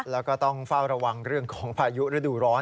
แล้วก็ต้องเฝ้าระวังเรื่องของพายุฤดูร้อน